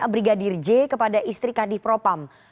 brigadir j kepada istri kadif propam